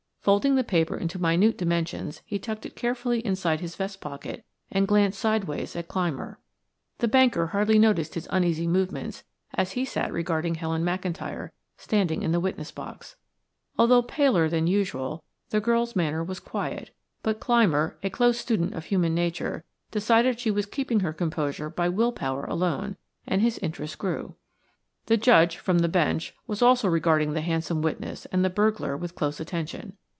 Folding the paper into minute dimensions he tucked it carefully inside his vest pocket and glanced sideways at Clymer. The banker hardly noticed his uneasy movements as he sat regarding Helen McIntyre standing in the witness box. Although paler than usual, the girl's manner was quiet, but Clymer, a close student of human nature, decided she was keeping her composure by will power alone, and his interest grew. The Judge, from the Bench, was also regarding the handsome witness and the burglar with close attention.